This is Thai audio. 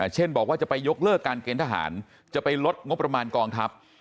เช่นบอกว่าจะไปยกเลิกการเกณฑหารจะไปลดงบประมาณกองทัพ